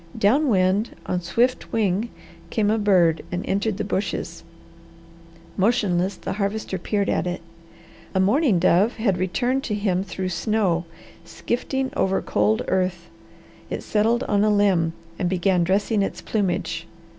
Down wind on swift wing came a bird and entered the bushes. Motionless the Harvester peered at it. A mourning dove had returned to him through snow, skifting over cold earth. It settled on a limb and began dressing its plumage.